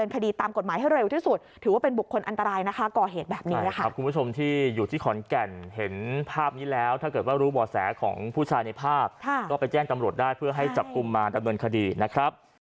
ก็ไปแจ้งตำรวจได้เพื่อให้จับกุมมาดำเนินคดีนะครับ